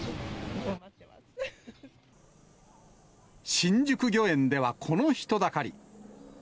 新宿御苑ではこの人だかり。